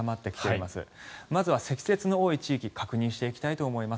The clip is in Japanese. まずは積雪の多い地域確認していきたいと思います。